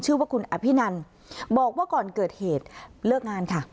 ชื่อว่าคุณอภินันบอกว่าก่อนเกิดเหตุเลิกงานค่ะ